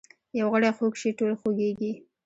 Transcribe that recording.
یو غړی خوږ شي ټول خوږیږي